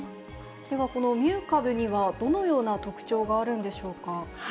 ではこのミュー株には、どのような特徴があるんでしょうか。